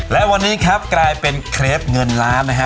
และวันนี้ครับกลายเป็นเคล็ปเงินล้านนะฮะ